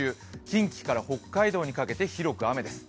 近畿から北海道にかけて広く雨です。